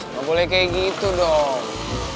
gak boleh kayak gitu dong